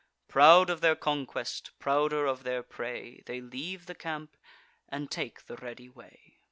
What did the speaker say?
Proud of their conquest, prouder of their prey, They leave the camp, and take the ready way.